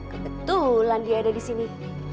kebetulan dia ada di sini